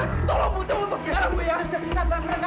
satu dua tiga pintar ya